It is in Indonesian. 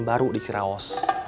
baru di ciraos